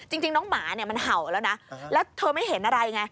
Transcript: จริงน้องหมาเนี่ยมันเห่าแล้วนะแล้วเธอไม่เห็นอะไรไง